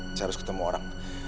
saya harus ketemu orang